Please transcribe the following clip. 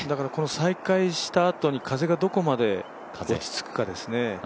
再開したあとに風がどこまで落ち着くかですね。